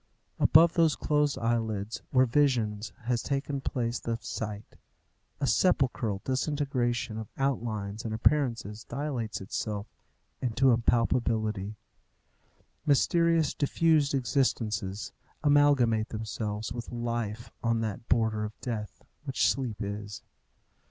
Above those closed eyelids, where vision has taken the place of sight, a sepulchral disintegration of outlines and appearances dilates itself into impalpability. Mysterious, diffused existences amalgamate themselves with life on that border of death, which sleep is.